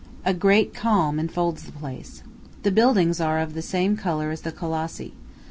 A great calm enfolds the place. The buildings are of the same color as the Colossi.